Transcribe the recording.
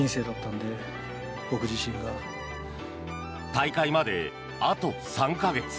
大会まで、あと３か月。